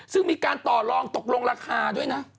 ซึ่งมีการต่อลองตกลงราคาด้วยนะ